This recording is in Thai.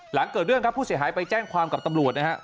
หลังเกิดเรื่องครับผู้เสียหายไปแจ้งความกับตำรวจนะครับ